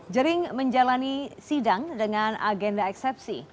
jering menjalani sidang dengan agenda eksepsi